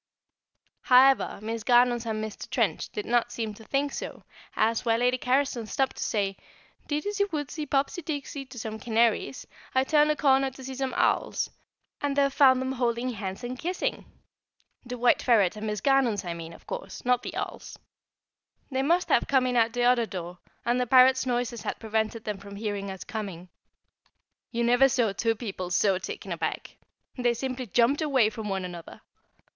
However, Miss Garnons and Mr. Trench did not seem to think so, as, while Lady Carriston stopped to say, "Didysy, woodsie, poppsie, dicksie," to some canaries, I turned a corner to see some owls, and there found them holding hands and kissing (the White Ferret and Miss Garnons I mean, of course, not the owls). [Sidenote: The Mysteries of Religion] They must have come in at the other door, and the parrots' noises had prevented them from hearing us coming. You never saw two people so taken aback. They simply jumped away from one another.